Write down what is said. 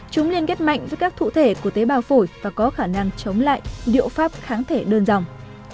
chúng liên kết mạnh với các thụ thể của tế bào phổi và có khả năng chống lại điệu pháp kháng thể đơn dòng